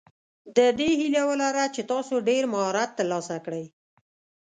د دې هیله ولره چې تاسو ډېر مهارت ترلاسه کړئ.